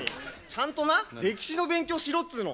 ちゃんとな歴史の勉強しろっつうの。